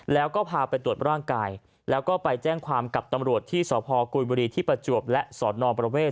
แล้วก็พาไปตรวจร่างกายแล้วก็ไปแจ้งความกับตำรวจที่สพกุยบุรีที่ประจวบและสนประเวท